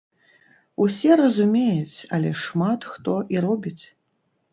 Усе разумеюць, але шмат хто і робіць.